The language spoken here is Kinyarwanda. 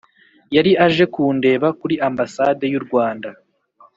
yari aje kundeba kuri ambasade y'u rwanda